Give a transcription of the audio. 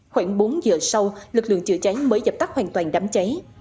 khoảng bốn giờ sau lực lượng chữa cháy mới dập tắt hoàn toàn đám cháy